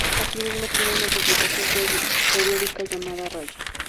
Asimismo, tiene una publicación periódica llamada "Raya.